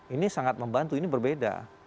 ini sangat membantu ini berbeda